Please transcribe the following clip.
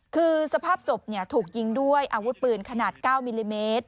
คือสภาพศพถูกยิงด้วยอาวุธปืนขนาด๙มิลลิเมตร